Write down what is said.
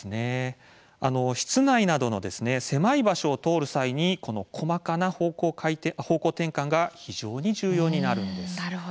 室内などの狭い場所を通る際にこの細かな方向転換が非常に重要になります。